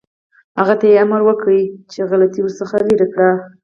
هغه ته یې امر وکړ چې غلطۍ ورڅخه لرې کړي.